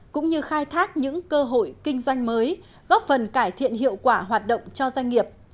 cũng như khai thác những cơ hội kinh doanh mới góp phần cải thiện hiệu quả hoạt động cho doanh nghiệp